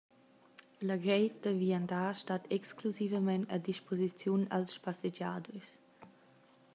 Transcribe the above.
La reit da viandar stat exclusivamein a disposiziun als spassegiaders.